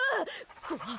怖っ。